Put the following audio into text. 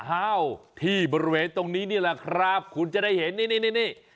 เอ้าที่บริเวณตรงนี้นี่แหละครับคุณจะได้เห็นนี่นี่